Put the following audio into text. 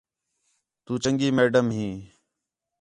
تُو چَنڳی میڈم ہیں